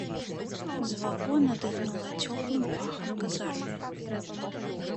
З вагона дыхнула цёплым пахам казармы.